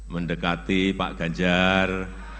mendekati pak ganjar